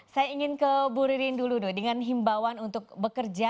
saya ingin ke bu ririn dulu dengan himbawan untuk bekerja